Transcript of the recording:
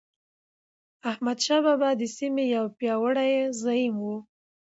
احمدشاه بابا د سیمې یو پیاوړی زعیم و.